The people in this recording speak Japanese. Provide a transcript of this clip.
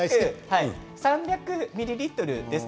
３００ミリリットルなんです。